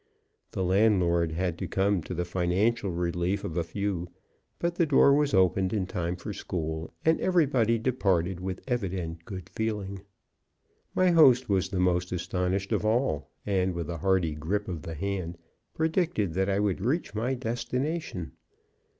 The landlord had to come to the financial relief of a few, but the door was opened in time for school, and everybody departed with evident good feeling. My host was the most astonished of all, and, with a hearty grip of the hand, predicted that I would reach my destination.